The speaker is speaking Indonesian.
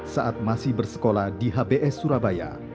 saat masih bersekolah di hbs surabaya